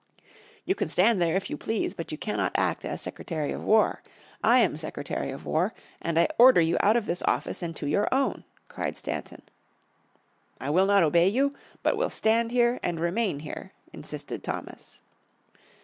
"You can stand there if you please, but you can not act as Secretary of War. I am Secretary of War, and I order you out of this office, and to your own," cried Stanton. "I will not obey you, but will stand here and remain here," insisted Thomas.